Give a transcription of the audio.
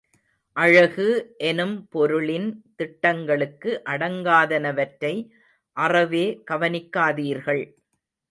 அழகு எனும் பொருளின் திட்டங்களுக்கு அடங்காதனவற்றை அறவே கவனிக்காதீர்கள்.